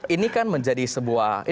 ini kan menjadi sebuah